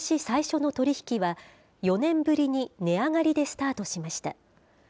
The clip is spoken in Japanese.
最初の取り引きは、４年ぶりに値上がりでスタートしました。